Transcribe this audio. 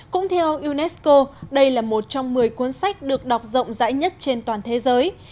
cũng theo unesco đây là một trong một mươi cuốn sách được đọc rộng rãi nhất trên toàn thế giới